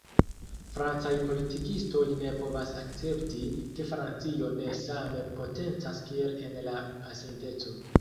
Francaj politikistoj ne povas akcepti, ke Francio ne same potencas kiel en la pasinteco.